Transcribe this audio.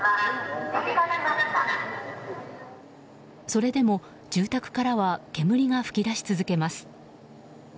それでも、住宅からは煙が噴き出し続けます。